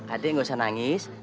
adek gak usah nangis